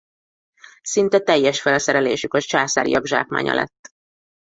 Szinte teljes felszerelésük a császáriak zsákmánya lett.